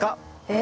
え？